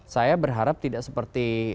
saya berharap tidak seperti